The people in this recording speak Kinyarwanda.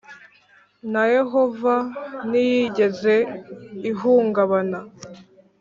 na Yehova ntiyigeze ihungabana